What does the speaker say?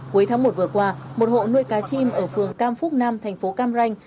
cuối tháng một vừa qua một hộ nuôi cá chim ở phường cam phúc nam thành phố cam ranh